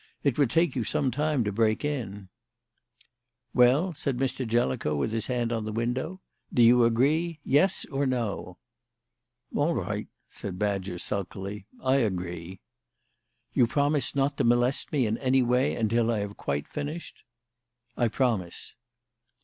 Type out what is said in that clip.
It would take you some time to break in." "Well," said Mr. Jellicoe, with his hand on the window, "do you agree yes or no?" "All right," said Badger sulkily. "I agree." "You promise not to molest me in any way until I have quite finished?" "I promise."